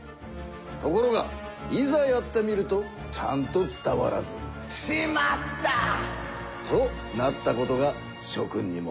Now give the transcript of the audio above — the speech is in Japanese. ところがいざやってみるとちゃんと伝わらず「しまった！」となったことがしょ君にもあるのではないか。